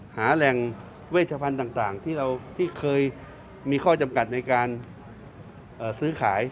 หาแหล่งเวชพันธุ์ต่างที่เราที่เคยมีข้อจำกัดในการซื้อขาย